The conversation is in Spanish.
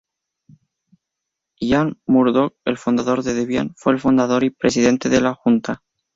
Ian Murdock, el fundador de Debian, fue el fundador y presidente de la Junta.